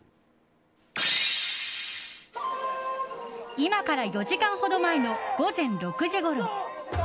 今から４時間ほど前の午前６時ごろ。